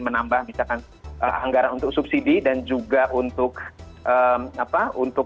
menambah misalkan anggaran untuk subsidi dan juga untuk